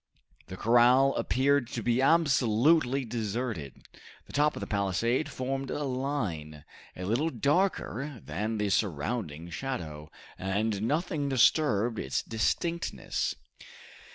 The corral appeared to be absolutely deserted. The top of the palisade formed a line, a little darker than the surrounding shadow, and nothing disturbed its distinctness.